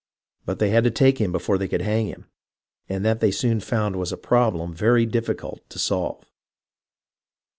But they had to take him before they could hang him, and that they soon found was a problem very difficult to solve.